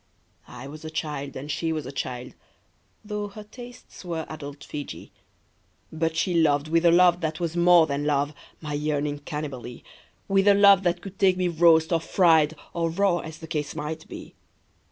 I was a child, and she was a child — Tho' her tastes were adult Feejee — But she loved with a love that was more than love, My yearning Cannibalee; With a love that could take me roast or fried Or raw, as the case might be.